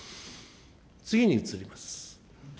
次に移ります。